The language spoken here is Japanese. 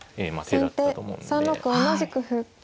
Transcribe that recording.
先手３六同じく歩。